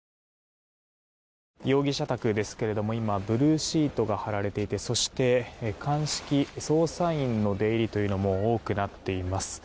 容疑者宅ですが今、ブルーシートが張られていてそして鑑識捜査員の出入りというのも多くなっています。